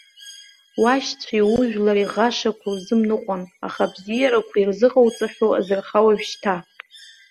Уашьцәеи ужәлари ӷашақә урзымныҟәан, аха абзиарақәа ирзыҟауҵахьоу азырха уажәшьҭа.